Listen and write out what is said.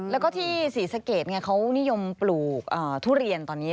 แล้วก็ที่ศรีสะเกดไงเขานิยมปลูกทุเรียนตอนนี้